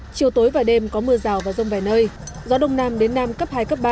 chiều tối và đêm có mưa rào và rông vẻ nơi gió đông nam đến nam cấp hai ba